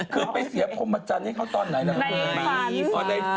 คือไปเสียพรมจันทร์ให้เขาตอนไหนล่ะ